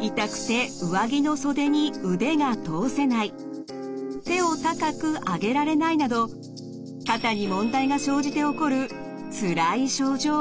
痛くて上着の手を高く上げられないなど肩に問題が生じて起こるつらい症状。